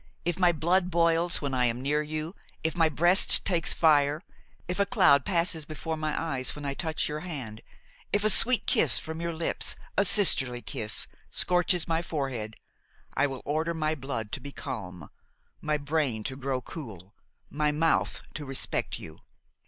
If my blood boils when I am near you, if my breast takes fire, if a cloud passes before my eyes when I touch your hand, if a sweet kiss from your lips, a sisterly kiss, scorches my forehead, I will order my blood to be calm, my brain to grow cool, my mouth to respect you.